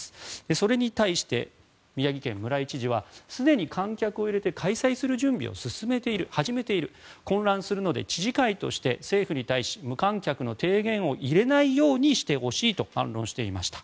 それに対して宮城県の村井知事はすでに観客を入れて開催する準備を始めている混乱するので知事会として政府に対し無観客の提言を入れないようにしてほしいと反論していました。